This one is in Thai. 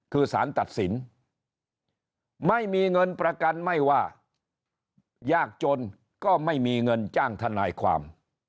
คือสารตัดสินไม่มีเงินประกันไม่ว่ายากจนก็ไม่มีเงินจ้างทนายความ